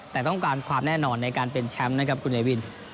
แต่ต้องการความแน่นอนในการเป็นแชมป์นะครับคุณเนวิน